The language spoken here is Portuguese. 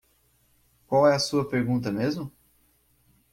Qual é a sua pergunta mesmo?